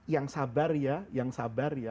yang sabar ya